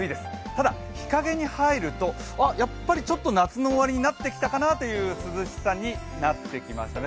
ただ、日陰に入るとあっ、やっぱりちょっと夏の終わりになってきたかなという涼しさになってきましたね。